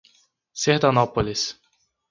Sertanópolis